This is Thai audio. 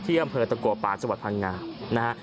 ที่อำเภอตะโกะปาสวรรค์พันธ์งานะฮะ